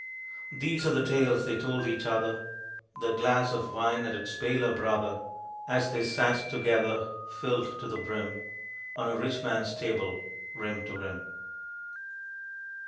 These are the tales they told each other, The glass of wine and its paler brother, As they sat together, filled to the brim, On a rich man's table, rim to rim.